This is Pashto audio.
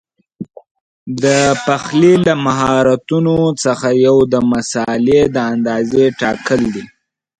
د پخلي له مهارتونو څخه یو د مسالې د اندازې ټاکل دي.